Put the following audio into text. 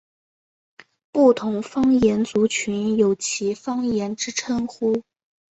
不同方言族群有其方言之称呼。